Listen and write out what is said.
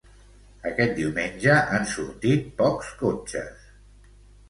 Aquest diumenge han sortit pocs cotxes.